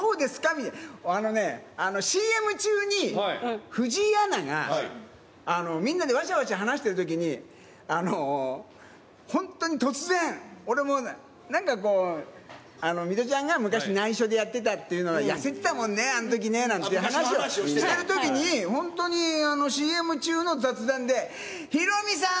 みたいな、あのね、ＣＭ中に藤井アナがみんなでわちゃわちゃ話してるときに、本当に突然、俺もね、なんかこう、水卜ちゃんが昔、ないしょでやってたっていうのが、痩せてたもんね、あんときねみたいな話をしてるときに、本当にＣＭ中の雑談で、ヒロミさん！